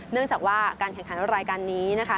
เนื่องจากว่าการแข่งขันรายการนี้นะคะ